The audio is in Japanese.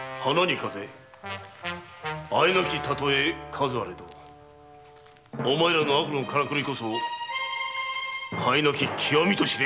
敢えなき例え数あれどお前らの悪のからくりこそ甲斐なき極みと知れ。